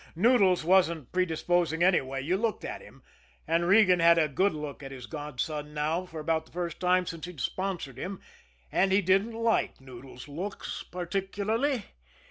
Noodles wasn't predisposing any way you looked at him, and Regan had a good look at his godson now for about the first time since he'd sponsored him, and he didn't like Noodles' looks particularly.